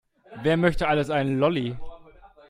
Wer möchte alles einen Lolli?